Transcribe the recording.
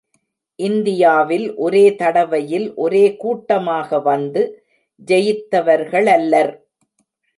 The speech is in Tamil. இந்தியாவில் ஒரே தடவையில் ஒரே கூட்டமாக வந்து ஜெயித்தவர்களல்லர்!